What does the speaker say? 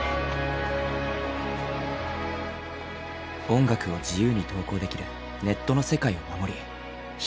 音楽を自由に投稿できるネットの世界を守り広めたい。